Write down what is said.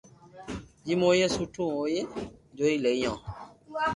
جيم ھوئي سٺو ھوئي جوئي ليو